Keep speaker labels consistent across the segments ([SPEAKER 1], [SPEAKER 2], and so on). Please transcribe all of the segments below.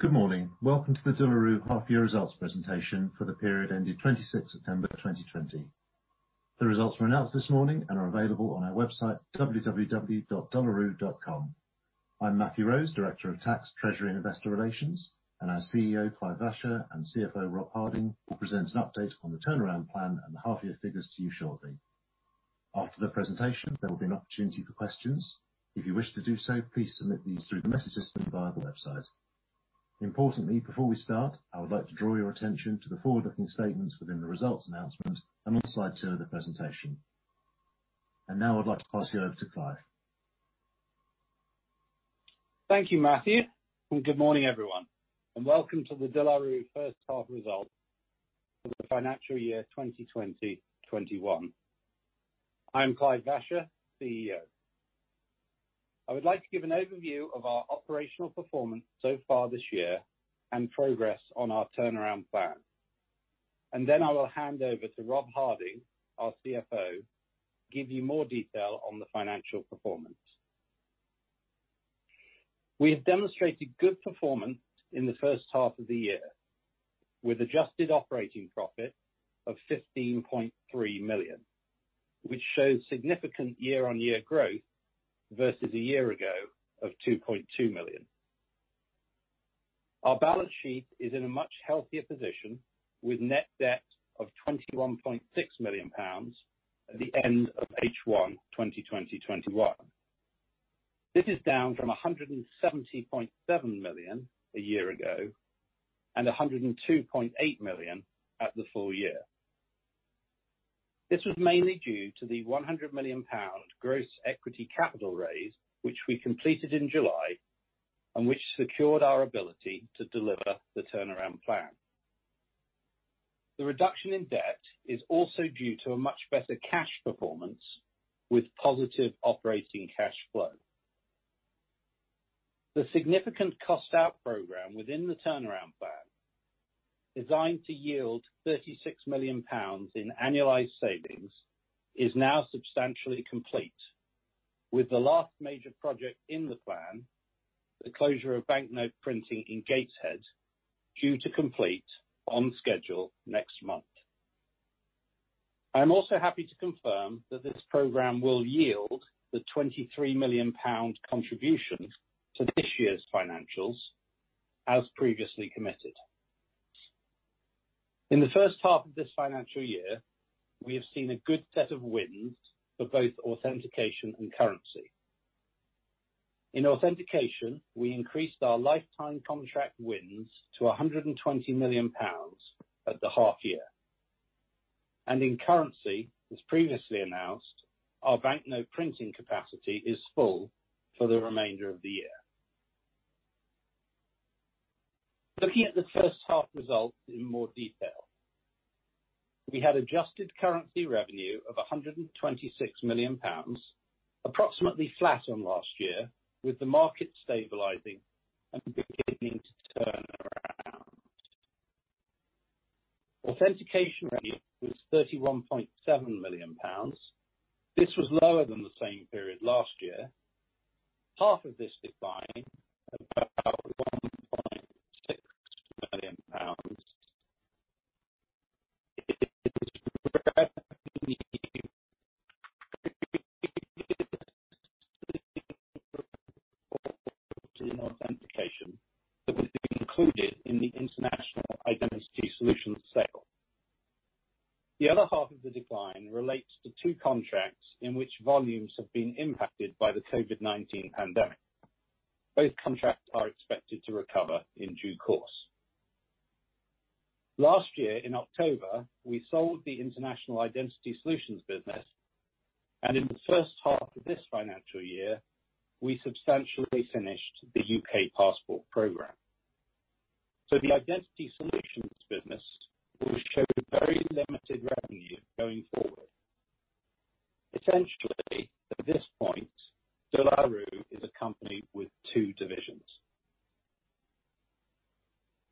[SPEAKER 1] Good morning. Welcome to the De La Rue half-year results presentation for the period ending 26 September 2020. The results were announced this morning and are available on our website www.delarue.com. I'm Matthew Rose, Director of Tax, Treasury and Investor Relations, and our CEO, Clive Vacher, and CFO, Rob Harding, will present an update on the turnaround plan and the half-year figures to you shortly. After the presentation, there will be an opportunity for questions. If you wish to do so, please submit these through the message system via the website. Importantly, before we start, I would like to draw your attention to the forward-looking statements within the results announcement and on slide show of the presentation. Now I'd like to pass you over to Clive.
[SPEAKER 2] Thank you, Matthew, and good morning, everyone, and welcome to the De La Rue first half results for the financial year 2020/2021. I'm Clive Vacher, CEO. I would like to give an overview of our operational performance so far this year and progress on our turnaround plan. Then I will hand over to Rob Harding, our CFO, to give you more detail on the financial performance. We have demonstrated good performance in the first half of the year with adjusted operating profit of 15.3 million, which shows significant year-on-year growth versus a year ago of 2.2 million. Our balance sheet is in a much healthier position with net debt of 21.6 million pounds at the end of H1 2020/2021. This is down from 170.7 million a year ago and 102.8 million at the full year. This was mainly due to the 100 million pound gross equity capital raise, which we completed in July, and which secured our ability to deliver the turnaround plan. The reduction in debt is also due to a much better cash performance with positive operating cash flow. The significant cost-out program within the turnaround plan, designed to yield 36 million pounds in annualized savings, is now substantially complete with the last major project in the plan, the closure of banknote printing in Gateshead, due to complete on schedule next month. I'm also happy to confirm that this program will yield the 23 million pound contribution to this year's financials, as previously committed. In the first half of this financial year, we have seen a good set of wins for both Authentication and Currency. In Authentication, we increased our lifetime contract wins to 120 million pounds at the half year. In Currency, as previously announced, our banknote printing capacity is full for the remainder of the year. Looking at the first half results in more detail. We had adjusted Currency revenue of 126 million pounds, approximately flat on last year, with the market stabilizing and beginning to turn. Authentication revenue was 31.7 million pounds. This was lower than the same period last year. Half of this decline, about Authentication that was included in the International Identity Solutions sale. The other half of the decline relates to two contracts in which volumes have been impacted by the COVID-19 pandemic. Both contracts are expected to recover in due course. Last year, in October, we sold the International Identity Solutions business. In the first half of this financial year, we substantially finished the U.K. passport program. The Identity Solutions business will show very limited revenue going forward. Essentially, at this point, De La Rue is a company with two divisions.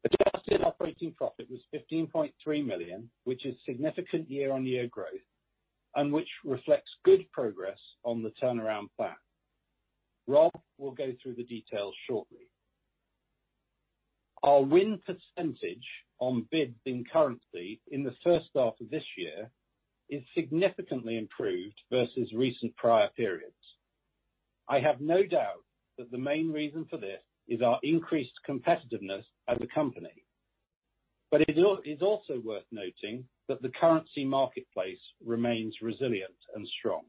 [SPEAKER 2] Adjusted operating profit was 15.3 million, which is significant year-on-year growth and which reflects good progress on the turnaround plan. Rob will go through the details shortly. Our win percentage on bids in currency in the first half of this year is significantly improved versus recent prior periods. I have no doubt that the main reason for this is our increased competitiveness as a company. It is also worth noting that the currency marketplace remains resilient and strong.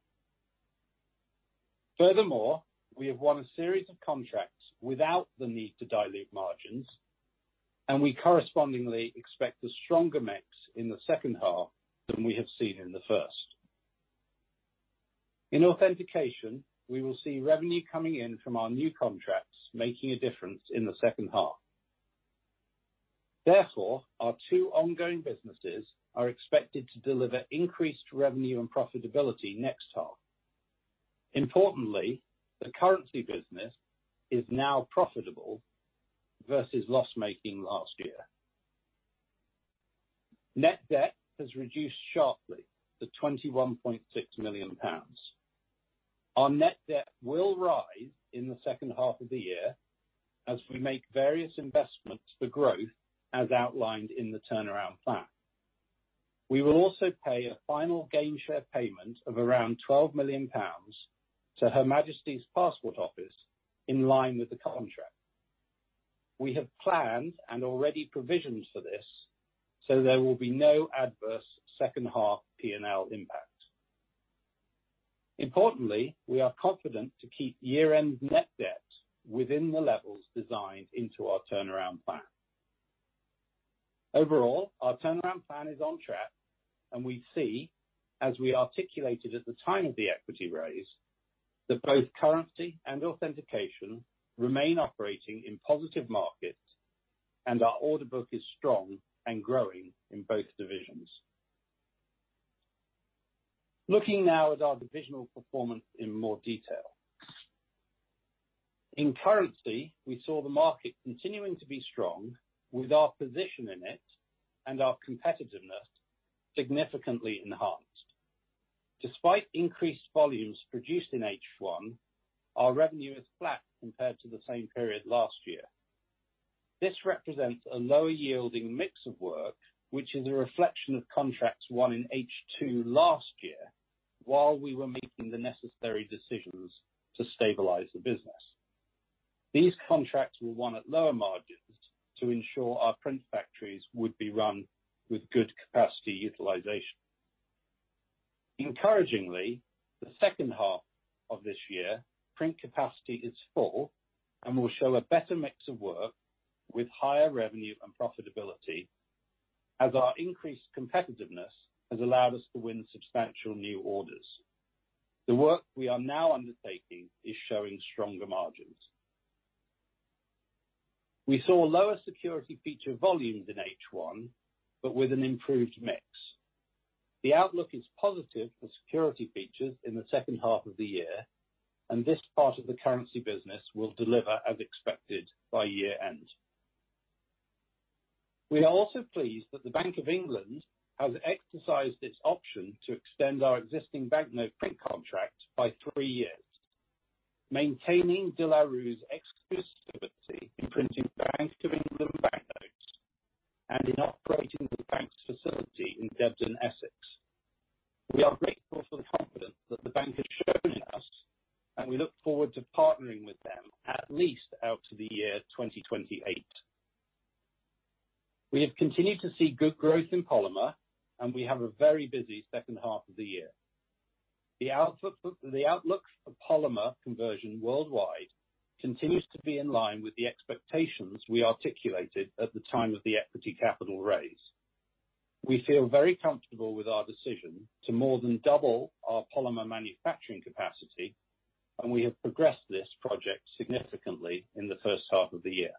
[SPEAKER 2] We have won a series of contracts without the need to dilute margins, and we correspondingly expect a stronger mix in the second half than we have seen in the first. In authentication, we will see revenue coming in from our new contracts, making a difference in the second half. Our two ongoing businesses are expected to deliver increased revenue and profitability next half. Importantly, the currency business is now profitable versus loss-making last year. Net debt has reduced sharply to 21.6 million pounds. Our net debt will rise in the second half of the year as we make various investments for growth, as outlined in the turnaround plan. We will also pay a final gain share payment of around 12 million pounds to Her Majesty's Passport Office in line with the contract. We have planned and already provisioned for this, so there will be no adverse second half P&L impact. Importantly, we are confident to keep year-end net debt within the levels designed into our turnaround plan. Overall, our turnaround plan is on track, and we see, as we articulated at the time of the equity raise, that both Currency and Authentication remain operating in positive markets, and our order book is strong and growing in both divisions. Looking now at our divisional performance in more detail. In Currency, we saw the market continuing to be strong with our position in it and our competitiveness significantly enhanced. Despite increased volumes produced in H1, our revenue is flat compared to the same period last year. This represents a lower yielding mix of work, which is a reflection of contracts won in H2 last year, while we were making the necessary decisions to stabilize the business. These contracts were won at lower margins to ensure our print factories would be run with good capacity utilization. Encouragingly, the second half of this year, print capacity is full and will show a better mix of work with higher revenue and profitability as our increased competitiveness has allowed us to win substantial new orders. The work we are now undertaking is showing stronger margins. We saw lower security feature volumes in H1 but with an improved mix. The outlook is positive for security features in the second half of the year, and this part of the currency business will deliver as expected by year-end. We are also pleased that the Bank of England has exercised its option to extend our existing banknote print contract by three years, maintaining De La Rue's exclusivity in printing Bank of England banknotes and in operating the bank's facility in Debden, Essex. We are grateful for the confidence that the bank has shown in us, and we look forward to partnering with them at least, out to the year 2028. We have continued to see good growth in polymer, and we have a very busy second half of the year. The outlook for polymer conversion worldwide continues to be in line with the expectations we articulated at the time of the equity capital raise. We feel very comfortable with our decision to more than double our polymer manufacturing capacity, and we have progressed this project significantly in the first half of the year.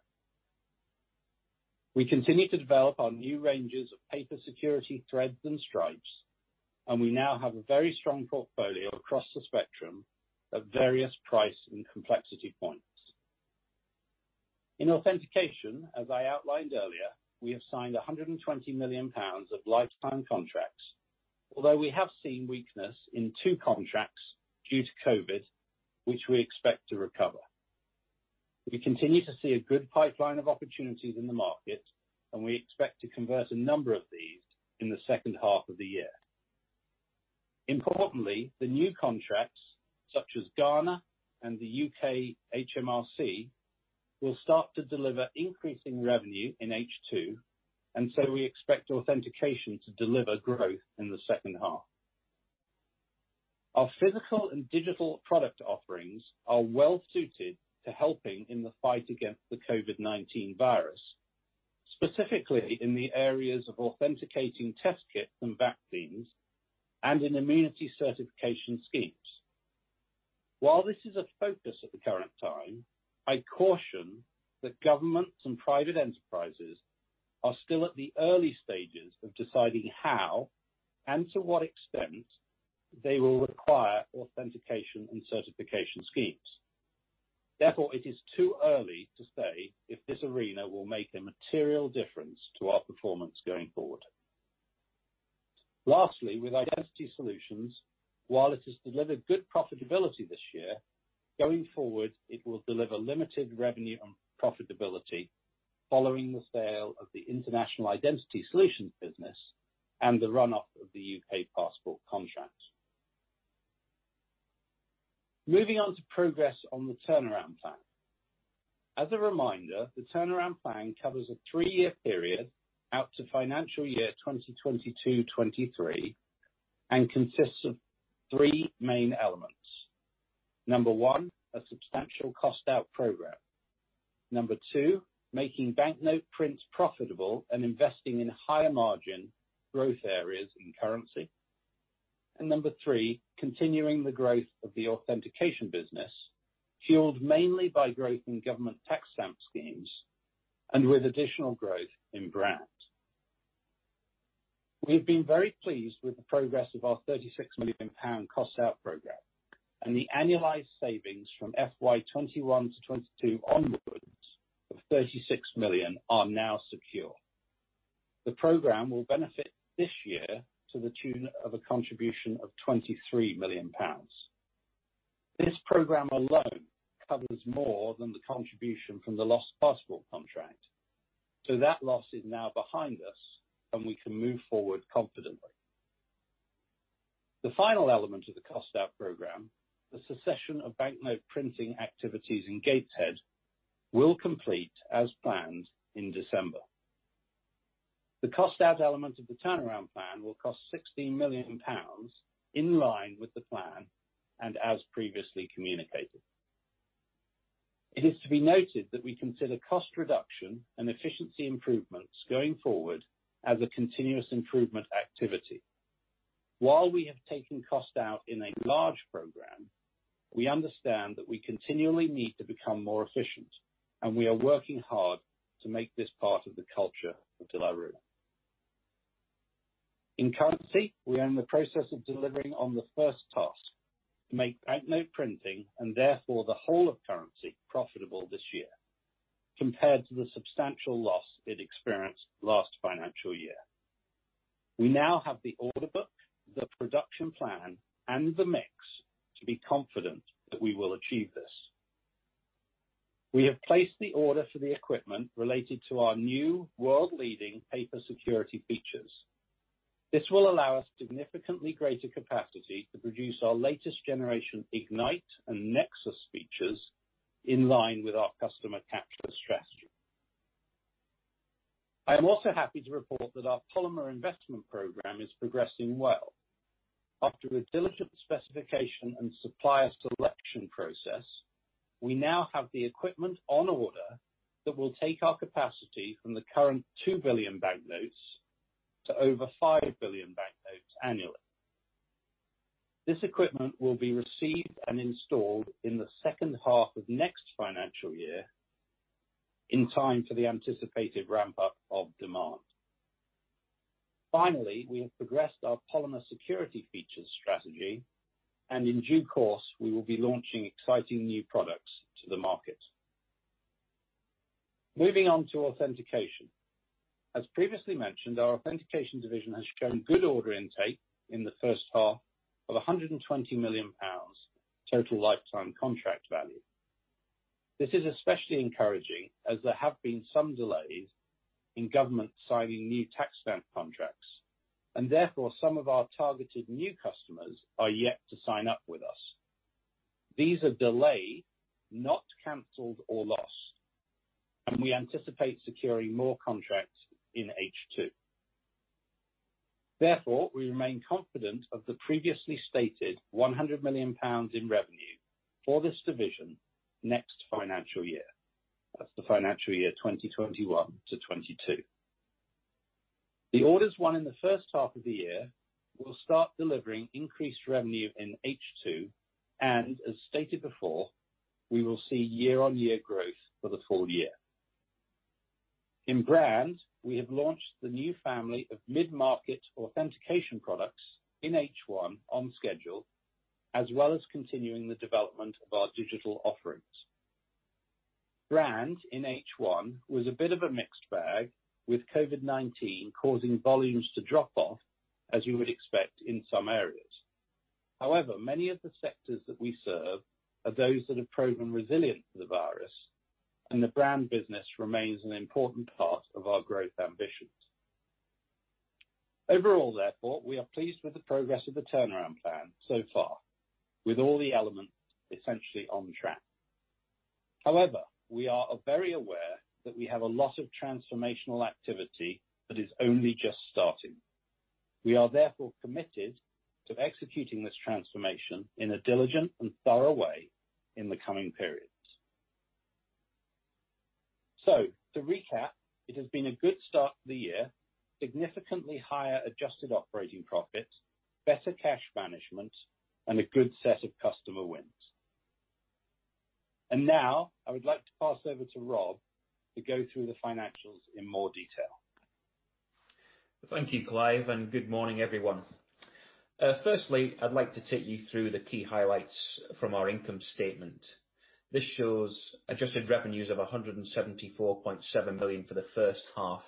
[SPEAKER 2] We continue to develop our new ranges of paper security threads and stripes. We now have a very strong portfolio across the spectrum of various price and complexity points. In authentication, as I outlined earlier, we have signed 120 million pounds of lifetime contracts, although we have seen weakness in two contracts due to COVID, which we expect to recover. We continue to see a good pipeline of opportunities in the market. We expect to convert a number of these in the second half of the year. Importantly, the new contracts such as Ghana and the U.K. HMRC, will start to deliver increasing revenue in H2. We expect authentication to deliver growth in the second half. Our physical and digital product offerings are well suited to helping in the fight against the COVID-19 virus, specifically in the areas of authenticating test kits and vaccines and in immunity certification schemes. While this is a focus at the current time, I caution that governments and private enterprises are still at the early stages of deciding how and to what extent they will require authentication and certification schemes. Therefore, it is too early to say if this arena will make a material difference to our performance going forward. Lastly, with Identity Solutions, while it has delivered good profitability this year, going forward, it will deliver limited revenue on profitability following the sale of the International Identity Solutions business and the run-up of the U.K. passport contract. Moving on to progress on the turnaround plan. As a reminder, the turnaround plan covers a three-year period out to financial year 2022-2023 and consists of three main elements. Number one, a substantial cost-out program. Number two, making banknote prints profitable and investing in higher margin growth areas in currency. Number three, continuing the growth of the Authentication business, fueled mainly by growth in government tax stamp schemes and with additional growth in brand. We've been very pleased with the progress of our 36 million pound cost-out program. The annualized savings from FY 2021 to FY 2022 onwards of 36 million are now secure. The program will benefit this year to the tune of a contribution of 23 million pounds. This program alone covers more than the contribution from the lost passport contract. That loss is now behind us, and we can move forward confidently. The final element of the cost-out program, the cessation of banknote printing activities in Gateshead, will complete as planned in December. The cost-out element of the turnaround plan will cost 16 million pounds in line with the plan and as previously communicated. It is to be noted that we consider cost reduction and efficiency improvements going forward as a continuous improvement activity. While we have taken cost out in a large program, we understand that we continually need to become more efficient, and we are working hard to make this part of the culture of De La Rue. In currency, we are in the process of delivering on the first task, to make banknote printing and therefore the whole of currency profitable this year, compared to the substantial loss it experienced last financial year. We now have the order book, the production plan, and the mix to be confident that we will achieve this. We have placed the order for the equipment related to our new world-leading paper security features. This will allow us significantly greater capacity to produce our latest generation Ignite and Nexus features in line with our customer capture strategy. I am also happy to report that our polymer investment program is progressing well. After a diligent specification and supplier selection process, we now have the equipment on order that will take our capacity from the current 2 billion banknotes to over 5 billion banknotes annually. This equipment will be received and installed in the second half of next financial year in time for the anticipated ramp-up of demand. Finally, we have progressed our polymer security features strategy, and in due course, we will be launching exciting new products to the market. Moving on to Authentication. As previously mentioned, our Authentication division has shown good order intake in the first half of 120 million pounds total lifetime contract value. This is especially encouraging as there have been some delays in government signing new tax stamp contracts, and therefore, some of our targeted new customers are yet to sign up with us. These are delays, not canceled or lost, and we anticipate securing more contracts in H2. Therefore, we remain confident of the previously stated 100 million pounds in revenue for this division next financial year. That's the financial year 2021 to 2022. The orders won in the first half of the year will start delivering increased revenue in H2, and as stated before, we will see year-on-year growth for the full year. In Brand, we have launched the new family of mid-market authentication products in H1 on schedule, as well as continuing the development of our digital offerings. Brand in H1 was a bit of a mixed bag with COVID-19 causing volumes to drop off, as you would expect in some areas. However, many of the sectors that we serve are those that have proven resilient to the virus, and the Brand business remains an important part of our growth ambitions. Overall, therefore, we are pleased with the progress of the turnaround plan so far, with all the elements essentially on track. However, we are very aware that we have a lot of transformational activity that is only just starting. We are therefore committed to executing this transformation in a diligent and thorough way in the coming periods. To recap, it has been a good start to the year. Significantly higher adjusted operating profits, better cash management, and a good set of customer wins. Now I would like to pass over to Rob to go through the financials in more detail.
[SPEAKER 3] Thank you, Clive. Good morning, everyone. Firstly, I'd like to take you through the key highlights from our income statement. This shows adjusted revenues of 174.7 million for the first half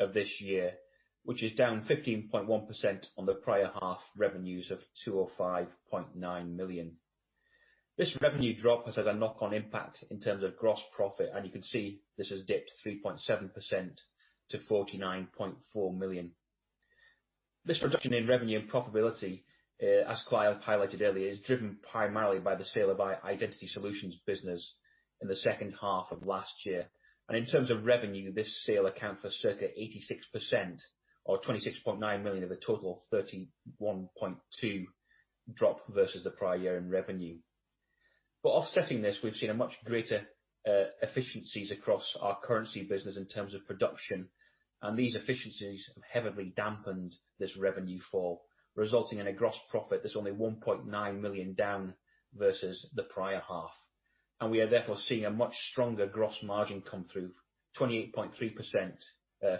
[SPEAKER 3] of this year, which is down 15.1% on the prior half revenues of 205.9 million. This revenue drop has had a knock-on impact in terms of gross profit, and you can see this has dipped 3.7% to 49.4 million. This reduction in revenue and profitability, as Clive highlighted earlier, is driven primarily by the sale of our Identity Solutions business in the second half of last year. In terms of revenue, this sale accounts for circa 86% or 26.9 million of the total 31.2 drop versus the prior year in revenue. Offsetting this, we've seen a much greater efficiencies across our currency business in terms of production. These efficiencies have heavily dampened this revenue fall, resulting in a gross profit that's only 1.9 million down versus the prior half. We are therefore seeing a much stronger gross margin come through 28.3%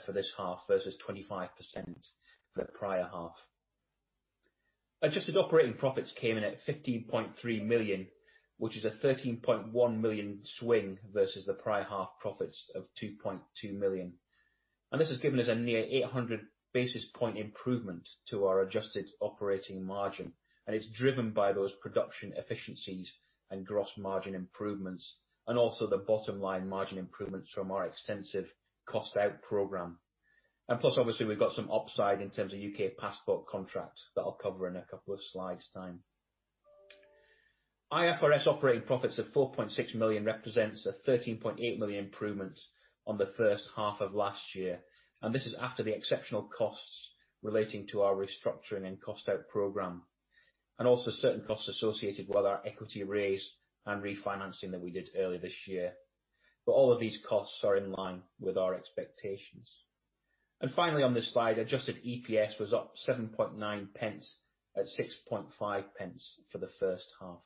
[SPEAKER 3] for this half, versus 25% the prior half. Adjusted operating profits came in at 15.3 million, which is a 13.1 million swing versus the prior half profits of 2.2 million. This has given us a near 800 basis points improvement to our adjusted operating margin. It's driven by those production efficiencies and gross margin improvements, and also the bottom line margin improvements from our extensive cost-out program. Plus, obviously, we've got some upside in terms of U.K. passport contract that I'll cover in a couple of slides' time. IFRS operating profits of 4.6 million represents a 13.8 million improvement on the first half of last year. This is after the exceptional costs relating to our restructuring and cost-out program, also certain costs associated with our equity raise and refinancing that we did earlier this year. All of these costs are in line with our expectations. Finally, on this slide, adjusted EPS was up 0.079 at 0.065 for the first half.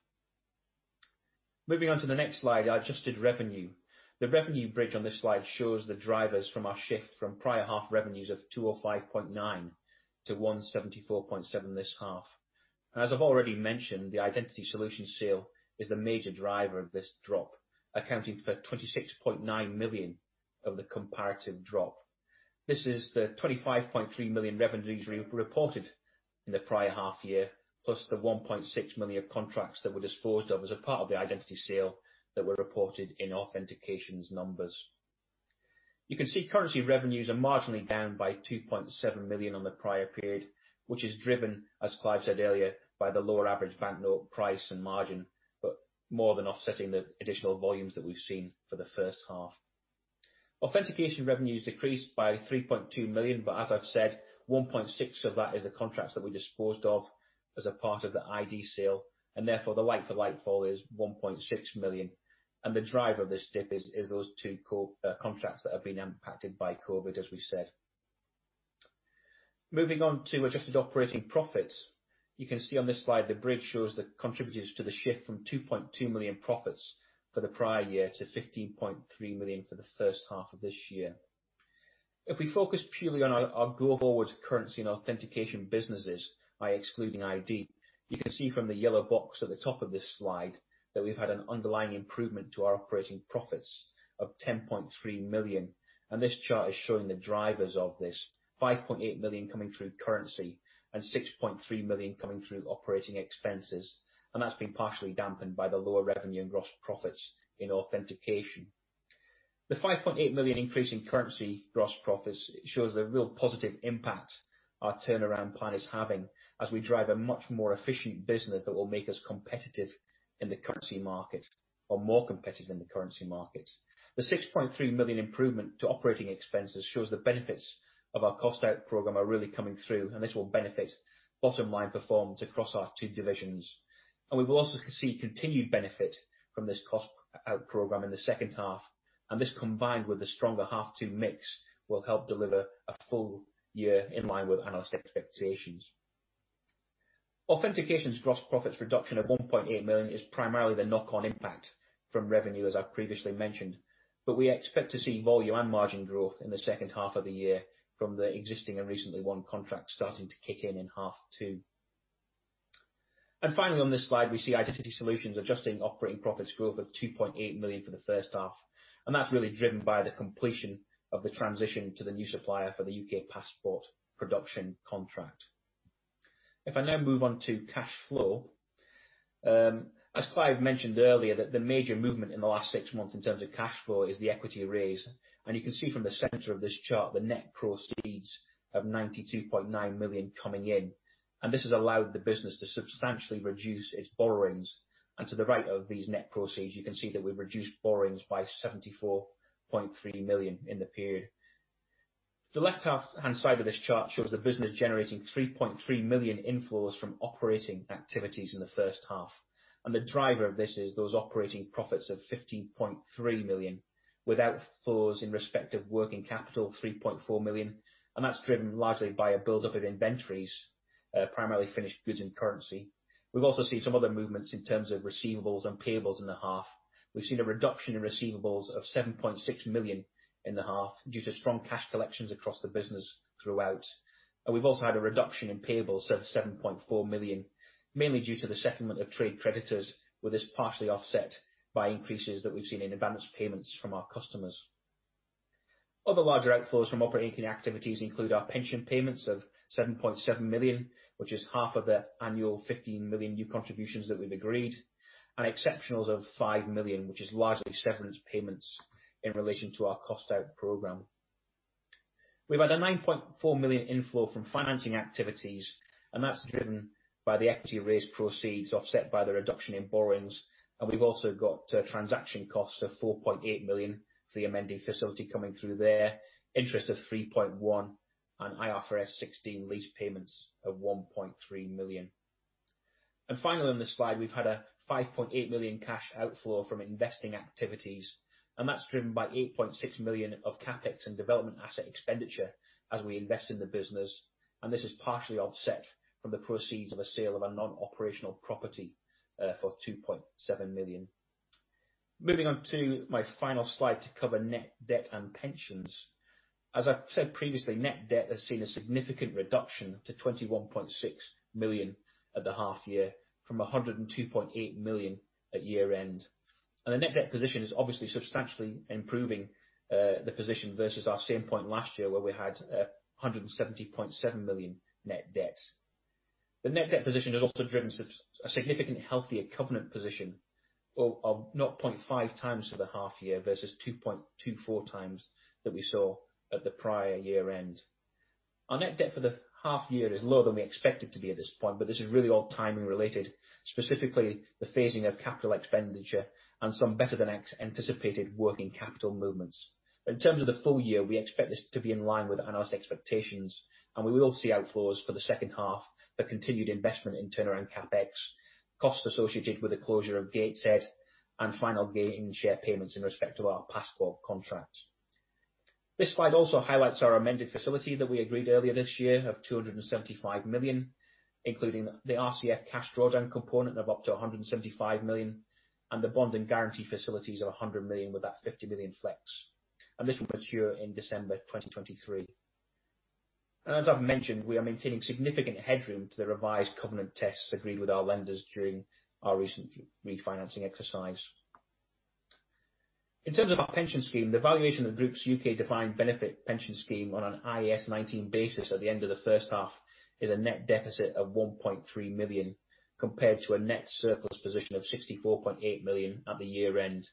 [SPEAKER 3] Moving on to the next slide, our adjusted revenue. The revenue bridge on this slide shows the drivers from our shift from prior half revenues of 205.9 to 174.7 this half. As I've already mentioned, the Identity Solutions sale is the major driver of this drop, accounting for 26.9 million of the comparative drop. This is the 25.3 million revenues reported in the prior half year, plus the 1.6 million of contracts that were disposed of as a part of the Identity sale that were reported in Authentication's numbers. You can see Currency revenues are marginally down by 2.7 million on the prior period, which is driven, as Clive said earlier, by the lower average banknote price and margin, more than offsetting the additional volumes that we've seen for the first half. Authentication revenues decreased by 3.2 million, as I've said, 1.6 of that is the contracts that we disposed of as a part of the ID sale, therefore the like for like fall is 1.6 million. The driver of this dip is those two contracts that have been impacted by COVID, as we said. Moving on to adjusted operating profits. You can see on this slide the bridge shows the contributors to the shift from 2.2 million profits for the prior year to 15.3 million for the first half of this year. If we focus purely on our go-forward Currency and Authentication businesses by excluding ID, you can see from the yellow box at the top of this slide that we've had an underlying improvement to our operating profits of 10.3 million. This chart is showing the drivers of this 5.8 million coming through currency and 6.3 million coming through operating expenses, and that's been partially dampened by the lower revenue and gross profits in Authentication. The 5.8 million increase in Currency gross profits shows the real positive impact our turnaround plan is having as we drive a much more efficient business that will make us competitive in the currency market, or more competitive in the currency markets. The 6.3 million improvement to Operating Expenses shows the benefits of our cost-out program are really coming through. This will benefit bottom line performance across our two divisions. We will also see continued benefit from this cost-out program in the second half. This combined with the stronger H2 mix, will help deliver a full year in line with analyst expectations. Authentication's gross profits reduction of 1.8 million is primarily the knock-on impact from revenue, as I've previously mentioned. We expect to see volume and margin growth in the second half of the year from the existing and recently won contracts starting to kick in half-two. Finally, on this slide, we see Identity Solutions adjusting operating profits growth of 2.8 million for the first half, and that's really driven by the completion of the transition to the new supplier for the U.K. passport production contract. If I now move on to cash flow. As Clive mentioned earlier, the major movement in the last six months in terms of cash flow is the equity raise. You can see from the center of this chart the net proceeds of 92.9 million coming in, and this has allowed the business to substantially reduce its borrowings. To the right of these net proceeds, you can see that we've reduced borrowings by 74.3 million in the period. The left-hand side of this chart shows the business generating 3.3 million inflows from operating activities in the first half. The driver of this is those operating profits of 15.3 million without flows in respect of working capital 3.4 million, and that's driven largely by a buildup of inventories, primarily finished goods and currency. We've also seen some other movements in terms of receivables and payables in the half. We've seen a reduction in receivables of 7.6 million in the half due to strong cash collections across the business throughout. We've also had a reduction in payables of 7.4 million, mainly due to the settlement of trade creditors, with this partially offset by increases that we've seen in advance payments from our customers. Other larger outflows from operating activities include our pension payments of 7.7 million, which is half of the annual 15 million new contributions that we've agreed, and exceptionals of 5 million, which is largely severance payments in relation to our cost-out program. We've had a 9.4 million inflow from financing activities, that's driven by the equity raise proceeds offset by the reduction in borrowings. We've also got transaction costs of 4.8 million for the amending facility coming through there, interest of 3.1 million and IFRS 16 lease payments of 1.3 million. Finally, on this slide, we've had a 5.8 million cash outflow from investing activities, that's driven by 8.6 million of CapEx and development asset expenditure as we invest in the business. This is partially offset from the proceeds of a sale of a non-operational property for 2.7 million. Moving on to my final slide to cover net debt and pensions. As I've said previously, net debt has seen a significant reduction to 21.6 million at the half year from 102.8 million at year-end. The net debt position is obviously substantially improving, the position versus our same point last year, where we had 170.7 million net debt. The net debt position has also driven a significant healthier covenant position of 0.5x for the half year versus 2.24x that we saw at the prior year-end. Our net debt for the half year is lower than we expect it to be at this point, but this is really all timing related, specifically the phasing of capital expenditure and some better than anticipated working capital movements. In terms of the full year, we expect this to be in line with analyst expectations, and we will see outflows for the second half, the continued investment in turnaround CapEx, costs associated with the closure of Gateshead, and final gain share payments in respect of our passport contract. This slide also highlights our amended facility that we agreed earlier this year of 275 million, including the RCF cash drawdown component of up to 175 million and the bond and guarantee facilities of 100 million, with that 50 million flex. This will mature in December 2023. As I've mentioned, we are maintaining significant headroom to the revised covenant tests agreed with our lenders during our recent refinancing exercise. In terms of our pension scheme, the valuation of the group's U.K. defined benefit pension scheme on an IAS 19 basis at the end of the first half is a net deficit of 1.3 million, compared to a net surplus position of 64.8 million at the year-end.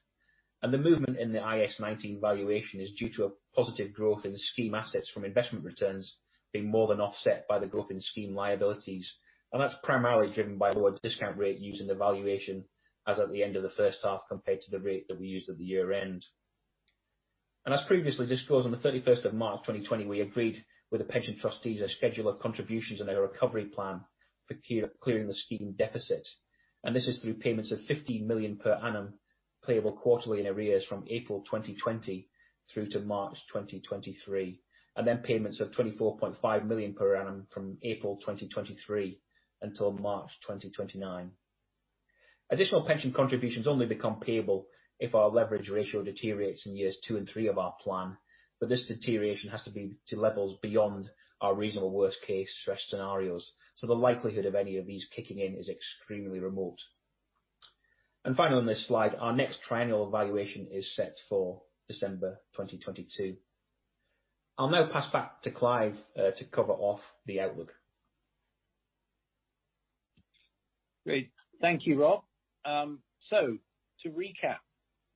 [SPEAKER 3] The movement in the IAS 19 valuation is due to a positive growth in the scheme assets from investment returns being more than offset by the growth in scheme liabilities. That's primarily driven by lower discount rate using the valuation as at the end of the first half, compared to the rate that we used at the year-end. As previously disclosed, on the 31st of March 2020, we agreed with the pension trustees a schedule of contributions and a recovery plan for clearing the scheme deficits. This is through payments of 15 million per annum, payable quarterly in arrears from April 2020 through to March 2023, and then payments of 24.5 million per annum from April 2023 until March 2029. Additional pension contributions only become payable if our leverage ratio deteriorates in years two and three of our plan. This deterioration has to be to levels beyond our reasonable worst-case stress scenarios. The likelihood of any of these kicking in is extremely remote. Finally on this slide, our next triennial valuation is set for December 2022. I'll now pass back to Clive to cover off the outlook.
[SPEAKER 2] Thank you, Rob. To recap,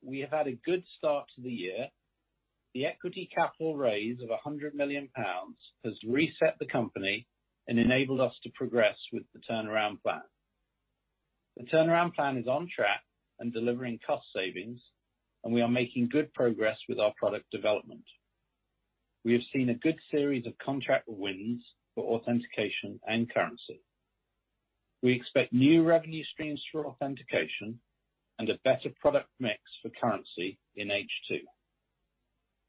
[SPEAKER 2] we have had a good start to the year. The equity capital raise of 100 million pounds has reset the company and enabled us to progress with the turnaround plan. The turnaround plan is on track and delivering cost savings, and we are making good progress with our product development. We have seen a good series of contract wins for Authentication and currency. We expect new revenue streams for Authentication and a better product mix for currency in H2.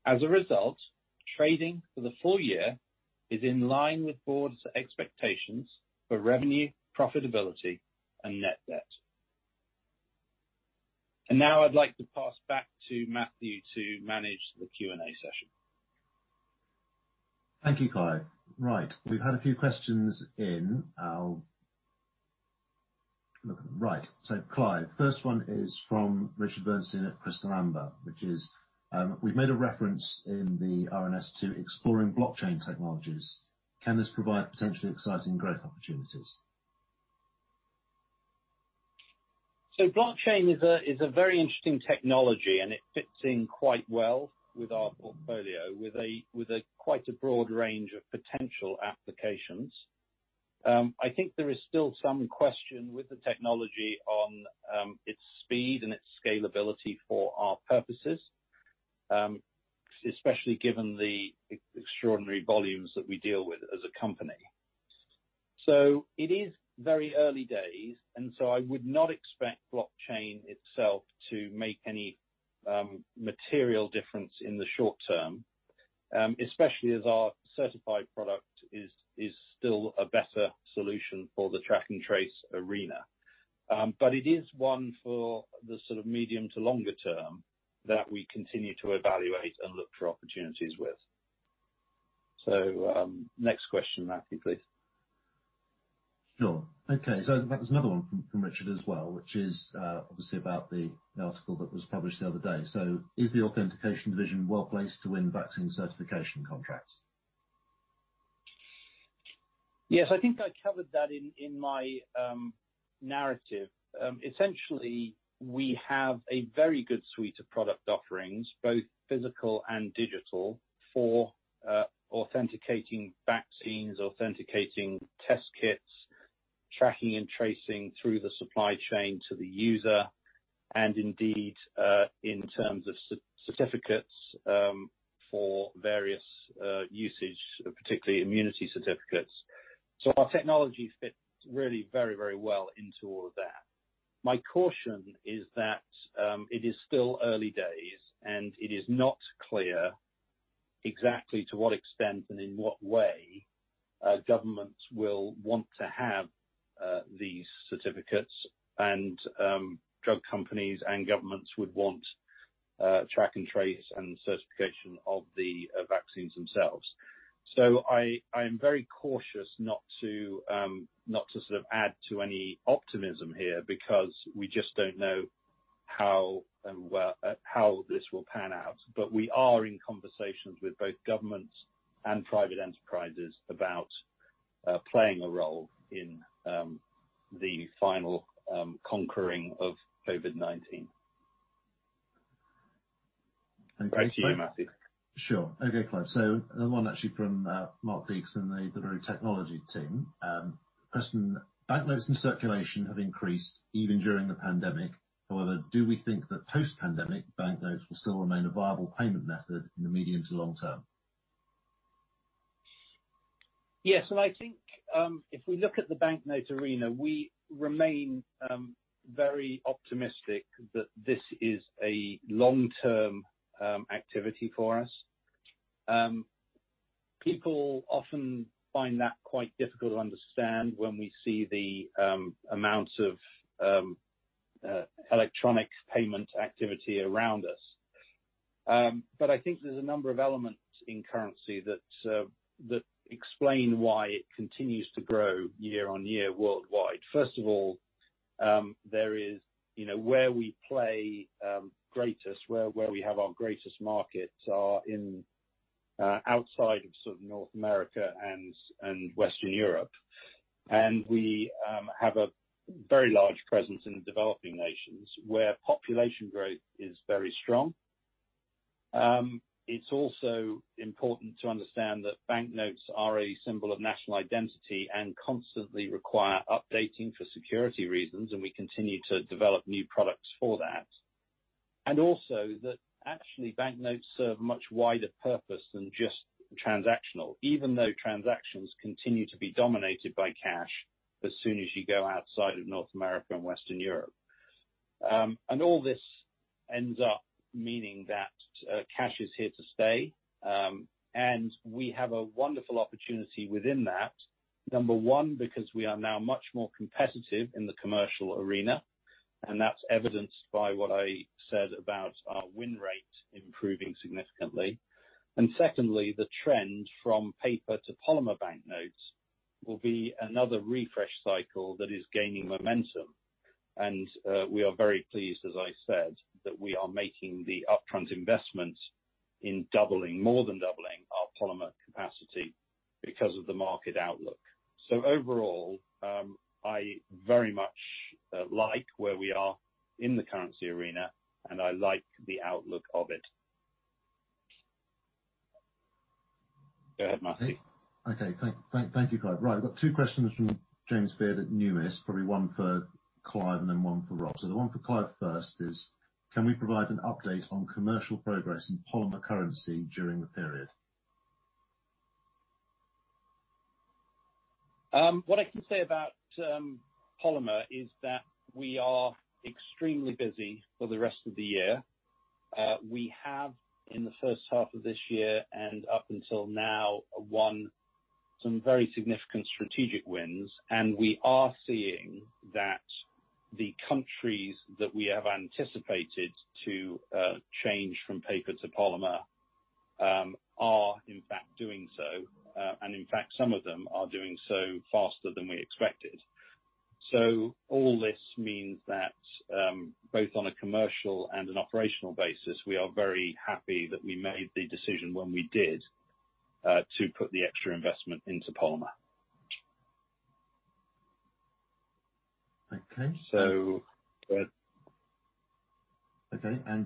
[SPEAKER 2] As a result, trading for the full year is in line with board's expectations for revenue, profitability, and net debt. Now I'd like to pass back to Matthew to manage the Q&A session.
[SPEAKER 1] Thank you, Clive. We've had a few questions in our Look at them. CLive, first one is from Richard Bernstein at Crystal Amber, which is, "We've made a reference in the RNS to exploring blockchain technologies. Can this provide potentially exciting growth opportunities?".
[SPEAKER 2] Blockchain is a very interesting technology, and it fits in quite well with our portfolio with quite a broad range of potential applications. I think there is still some question with the technology on its speed and its scalability for our purposes, especially given the extraordinary volumes that we deal with as a company. It is very early days, and so I would not expect blockchain itself to make any material difference in the short term, especially as our certified product is still a better solution for the track and trace arena. It is one for the sort of medium to longer term that we continue to evaluate and look for opportunities with. Next question, Matthew, please.
[SPEAKER 1] In fact, there's another one from Richard as well, which is obviously about the article that was published the other day. Is the Authentication Division well placed to win vaccine certification contracts?
[SPEAKER 2] I think I covered that in my narrative. Essentially, we have a very good suite of product offerings, both physical and digital, for authenticating vaccines, authenticating test kits, tracking and tracing through the supply chain to the user and indeed, in terms of certificates for various usage, particularly immunity certificates. Our technology fits really very, very well into all of that. My caution is that it is still early days, and it is not clear exactly to what extent and in what way governments will want to have these certificates, and drug companies and governments would want track and trace and certification of the vaccines themselves. I am very cautious not to add to any optimism here because we just don't know how this will pan out. We are in conversations with both governments and private enterprises about playing a role in the final conquering of COVID-19. Over to you, Matthew.
[SPEAKER 1] Okay, Clive. Another one actually from Mark Deeks in the De La Rue technology team. Question: Banknotes in circulation have increased even during the pandemic. However, do we think that post-pandemic banknotes will still remain a viable payment method in the medium to long term?
[SPEAKER 2] I think, if we look at the banknote arena, we remain very optimistic that this is a long-term activity for us. People often find that quite difficult to understand when we see the amounts of electronic payment activity around us. I think there's a number of elements in currency that explain why it continues to grow year-on-year worldwide. First of all, where we play greatest, where we have our greatest markets are outside of North America and Western Europe, and we have a very large presence in the developing nations where population growth is very strong. It's also important to understand that banknotes are a symbol of national identity and constantly require updating for security reasons, and we continue to develop new products for that. Also that actually banknotes serve a much wider purpose than just transactional, even though transactions continue to be dominated by cash as soon as you go outside of North America and Western Europe. All this ends up meaning that cash is here to stay. We have a wonderful opportunity within that, number one, because we are now much more competitive in the commercial arena, and that's evidenced by what I said about our win rate improving significantly. Secondly, the trend from paper to polymer banknotes will be another refresh cycle that is gaining momentum. We are very pleased, as I said, that we are making the upfront investment in more than doubling our polymer capacity because of the market outlook. Overall, I very much like where we are in the currency arena, and I like the outlook of it. Go ahead, Matthew.
[SPEAKER 1] Thank you, Clive. Right, I've got two questions from James Beard at Numis, probably one for Clive and then one for Rob. The one for Clive first is, can we provide an update on commercial progress in polymer currency during the period?
[SPEAKER 2] What I can say about polymer is that we are extremely busy for the rest of the year. We have, in the first half of this year and up until now, won some very significant strategic wins, and we are seeing that the countries that we have anticipated to change from paper to polymer are in fact doing so. In fact, some of them are doing so faster than we expected. All this means that, both on a commercial and an operational basis, we are very happy that we made the decision when we did to put the extra investment into polymer.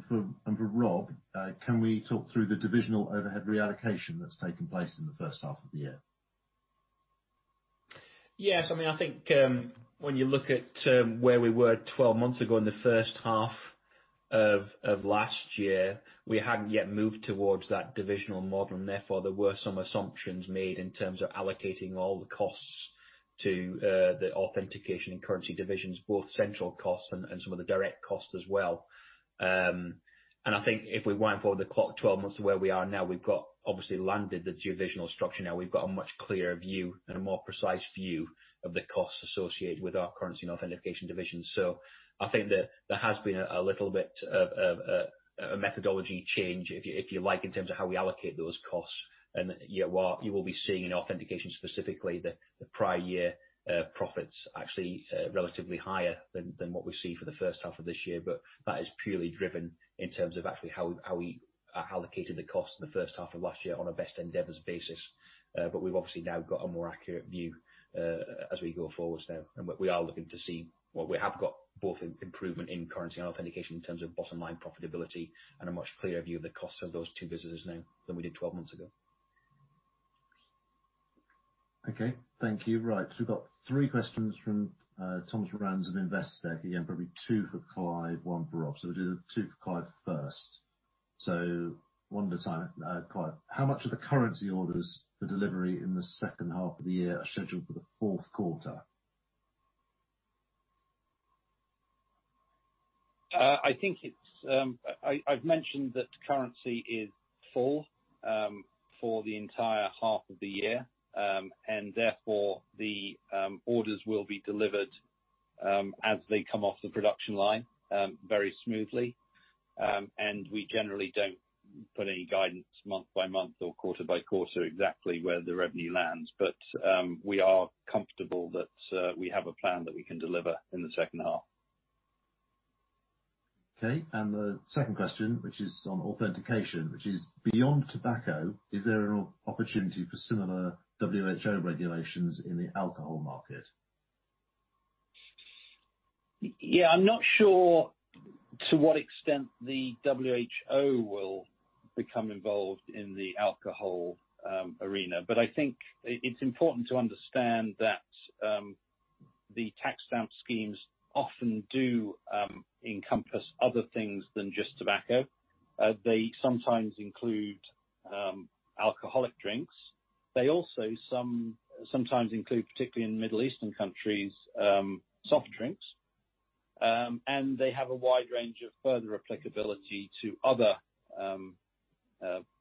[SPEAKER 1] For Rob, can we talk through the divisional overhead reallocation that's taken place in the first half of the year?
[SPEAKER 3] I think when you look at where we were 12 months ago in the first half of last year, we hadn't yet moved towards that divisional model. Therefore, there were some assumptions made in terms of allocating all the costs to the Authentication and Currency divisions, both central costs and some of the direct costs as well. I think if we wind forward the clock 12 months to where we are now, we've obviously landed the divisional structure now. We've got a much clearer view and a more precise view of the costs associated with our Currency and Authentication divisions. I think there has been a little bit of a methodology change, if you like, in terms of how we allocate those costs. You will be seeing in Authentication specifically, the prior year profits actually relatively higher than what we see for the first half of this year. But that is purely driven in terms of actually how we allocated the cost in the first half of last year on a best endeavors basis. We've obviously now got a more accurate view as we go forwards now, and we are looking to see what we have got both improvement in currency and Authentication in terms of bottom line profitability and a much clearer view of the costs of those two businesses now than we did 12 months ago.
[SPEAKER 1] Thank you. We've got three questions from Tom Ransome, Investec, again, probably two for Clive, one for Rob. We'll do two for Clive first. One at a time. Clive, how much of the currency orders for delivery in the second half of the year are scheduled for the fourth quarter?
[SPEAKER 2] I've mentioned that currency is full for the entire half of the year, and therefore, the orders will be delivered as they come off the production line very smoothly. We generally don't put any guidance month-by-month or quarter-by-quarter exactly where the revenue lands, but we are comfortable that we have a plan that we can deliver in the second half.
[SPEAKER 1] The second question, which is on Authentication, which is: beyond tobacco, is there an opportunity for similar WHO regulations in the alcohol market?
[SPEAKER 2] I'm not sure to what extent the WHO will become involved in the alcohol arena, but I think it's important to understand that the tax stamp schemes often do encompass other things than just tobacco. They sometimes include alcoholic drinks. They also sometimes include, particularly in Middle Eastern countries, soft drinks, they have a wide range of further applicability to other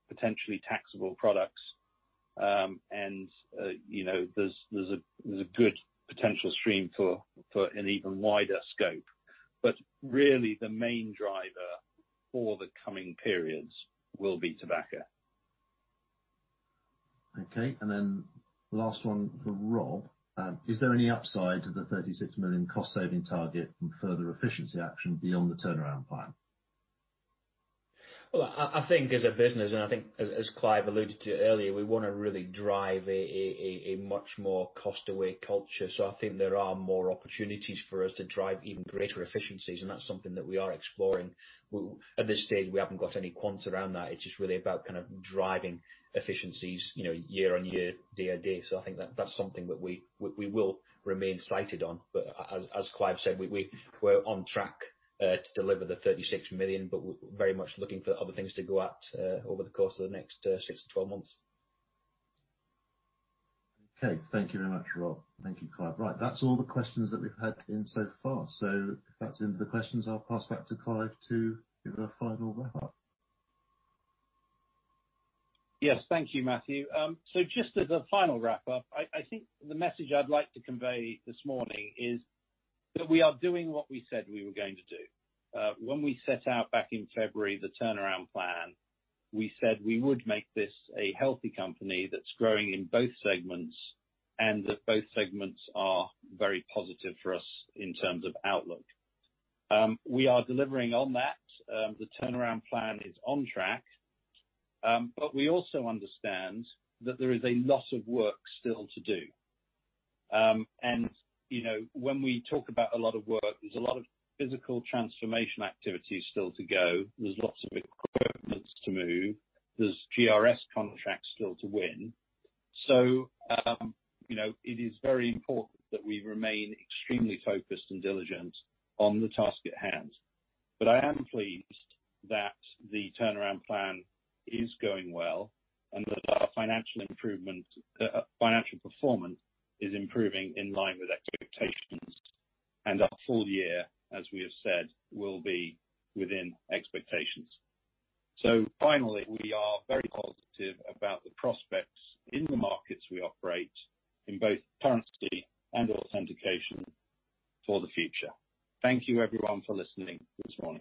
[SPEAKER 2] potentially taxable products. There's a good potential stream for an even wider scope. Really, the main driver for the coming periods will be tobacco.
[SPEAKER 1] Last one for Rob. Is there any upside to the 36 million cost-saving target and further efficiency action beyond the turnaround plan?
[SPEAKER 3] I think as a business, and I think as Clive alluded to earlier, we want to really drive a much more cost-away culture. I think there are more opportunities for us to drive even greater efficiencies, and that's something that we are exploring. At this stage, we haven't got any quant around that. It's just really about driving efficiencies year-on-year, day-on-day. I think that's something that we will remain sighted on. As Clive said, we're on track to deliver the 36 million, but we're very much looking for other things to go at over the course of the next 6 to 12 months.
[SPEAKER 1] Thank you very much, Rob. Thank you, Clive. That's all the questions that we've had in so far. If that's it for the questions, I'll pass back to Clive to give a final wrap-up.
[SPEAKER 2] Thank you, Matthew. Just as a final wrap-up, I think the message I'd like to convey this morning is that we are doing what we said we were going to do. When we set out back in February, the turnaround plan, we said we would make this a healthy company that's growing in both segments and that both segments are very positive for us in terms of outlook. We are delivering on that. The turnaround plan is on track. We also understand that there is a lot of work still to do. When we talk about a lot of work, there's a lot of physical transformation activities still to go. There's lots of equipment to move. There's GRS contracts still to win. It is very important that we remain extremely focused and diligent on the task at hand. I am pleased that the turnaround plan is going well and that our financial performance is improving in line with expectations. Our full year, as we have said, will be within expectations. Finally, we are very positive about the prospects in the markets we operate in both currency and authentication for the future. Thank you everyone for listening this morning.